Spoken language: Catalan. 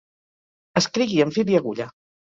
Escrigui amb fil i agulla.